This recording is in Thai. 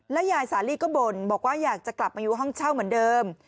ยายสาลีก็บ่นบอกว่าอยากจะกลับมาอยู่ห้องเช่าเหมือนเดิม